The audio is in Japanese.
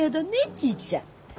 ちぃちゃん？